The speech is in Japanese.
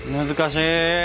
難しい。